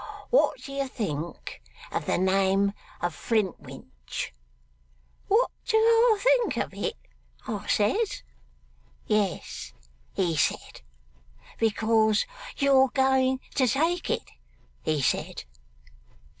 What do you think of the name of Flintwinch?" "What do I think of it?" I says. "Yes," he said, "because you're going to take it," he said.